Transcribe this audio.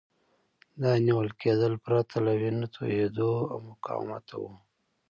دا نیول کېدل پرته له وینو توېیدو او مقاومته وو.